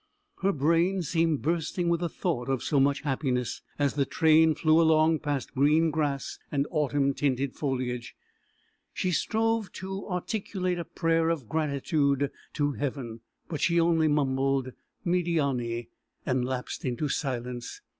Her brain seemed bursting with the thought of so much happiness; as the train flew along past green grass and autumn tinted foliage, she strove to articulate a prayer of gratitude to Heaven, but she only mumbled "Médiâni," and lapsed into silence.